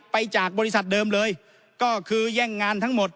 จากบริษัทเดิมเลยก็คือแย่งงานทั้งหมด